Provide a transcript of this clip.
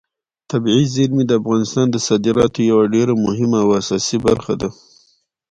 طبیعي زیرمې د افغانستان د صادراتو یوه ډېره مهمه او اساسي برخه ده.